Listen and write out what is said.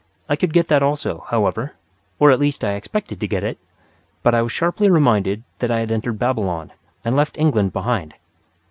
I could get that also, however; or at least I expected to get it; but I was sharply reminded that I had entered Babylon, and left England behind.